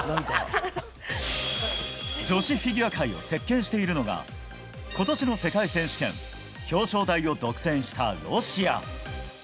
女子フィギュア界を席巻しているのが今年の世界選手権表彰台を独占したロシア。